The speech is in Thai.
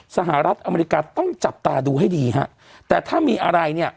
สหรัฐอเมริกาต้องจับตาดูให้ดีฮะแต่ถ้ามีอะไรเนี่ย